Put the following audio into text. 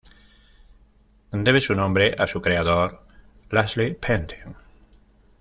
Debe su nombre a su creador Leslie Pantin.